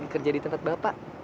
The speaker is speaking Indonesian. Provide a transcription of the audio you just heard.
kerja di tempat bapak